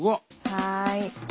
はい。